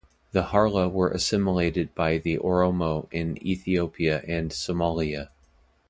The Harla were assimilated by the Oromo in Ethiopia and Somalia.